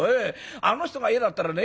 あの人が嫌だったらね